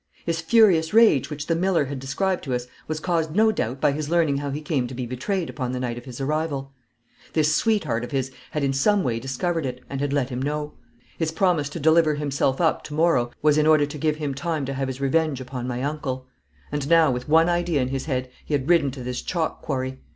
His furious rage which the miller had described to us was caused no doubt by his learning how he came to be betrayed upon the night of his arrival. This sweetheart of his had in some way discovered it, and had let him know. His promise to deliver himself up to morrow was in order to give him time to have his revenge upon my uncle. And now with one idea in his head he had ridden to this chalk quarry.